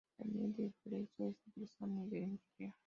La "miel de brezo" es utilizada a nivel industrial.